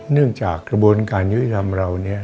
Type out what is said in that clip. เนื่องจากกระบวนการยุทธิธรรมเรา